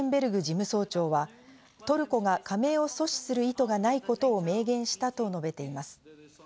事務総長はトルコが加盟を阻止する意図がないことを明言したと述べています。